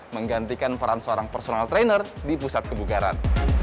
menggantikan peran seorang personal trainer di pusat kebukaran